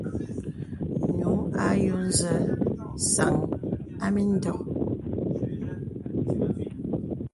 Ǹyùŋ à yɔ zə sàŋ à mìndɔ̀.